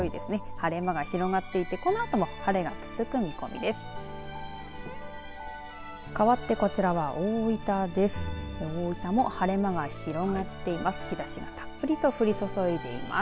晴れ間が広がっていてこのあとも晴れが続く見込みです。